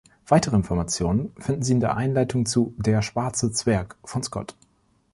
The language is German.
Weitere Informationen finden Sie in der Einleitung zu „Der Schwarze Zwerg“ von Scott.